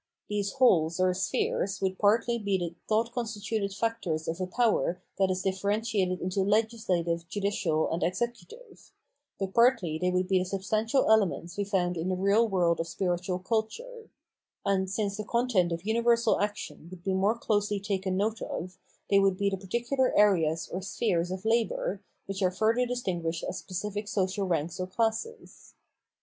These wholes or spheres would partly be the thought constituted factors of a power that is differ entiated into legislative, judicial and executive; but partly they would be the substantial elements we found in the real world of spiritual culture; and, since the content of universal action would be more closely taken note of, they would be the particular areas or spheres of labour, which are further distinguished as specific social ranks or classes.